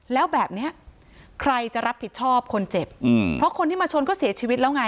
แล้วแบบเนี้ยใครจะรับผิดชอบคนเจ็บอืมเพราะคนที่มาชนก็เสียชีวิตแล้วไง